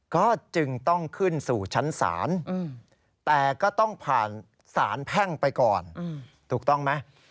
ก็จึงต้องขึ้นสู่ชั้นศาลแต่ก็ต้องผ่านสารแพ่งไปก่อนถูกต้องไหม